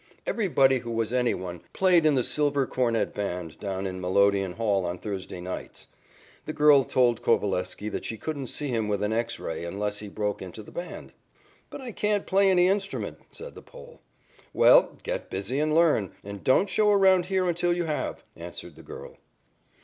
Everybody who was any one played in the Silver Cornet Band down in Melodeon Hall on Thursday nights. The girl told Coveleski that she couldn't see him with an X ray unless he broke into the band. "'But I can't play any instrument,' said the Pole. "'Well, get busy and learn, and don't show around here until you have,' answered the girl.